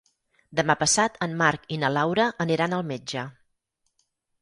Demà passat en Marc i na Laura aniran al metge.